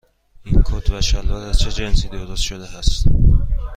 این کت و شلوار از چه جنسی درست شده است؟